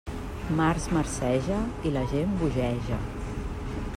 Març marceja... i la gent bogeja.